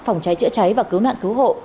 phòng cháy chữa cháy và cứu nạn cứu hộ